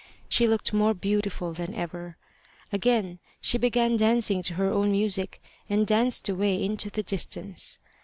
She looked more beautiful than ever. Again she began dancing to her own music, and danced away into the distance.